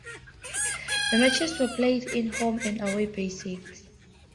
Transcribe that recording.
The matches were played in a home-and-away basis.